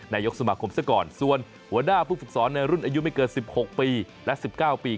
นายกสมาคมซะก่อนส่วนหัวหน้าผู้ฝึกสอนในรุ่นอายุไม่เกิน๑๖ปีและ๑๙ปี